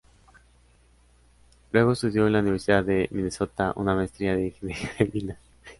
Luego estudió en la Universidad de Minnesota una maestría en Ingeniería de Minas.